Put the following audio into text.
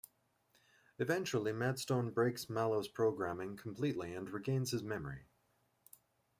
Eventually Maddstone breaks Mallo's programming completely and regains his memory.